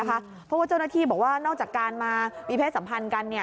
เพราะว่าเจ้าหน้าที่บอกว่านอกจากการมามีเพศสัมพันธ์กัน